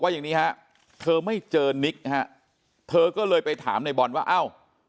อย่างนี้ฮะเธอไม่เจอนิกฮะเธอก็เลยไปถามในบอลว่าเอ้า